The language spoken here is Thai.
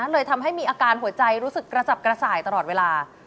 เลยทำให้มีอาการหัวใจรู้สึกกระจับกระส่ายตลอดเวลา